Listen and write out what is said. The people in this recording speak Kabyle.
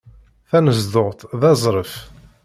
Tanezduɣt d azref.